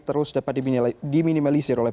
terus dapat diminimalisir oleh